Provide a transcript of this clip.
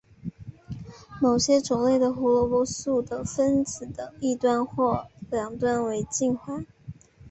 某些种类的胡萝卜素的分子的一端或两端为烃环。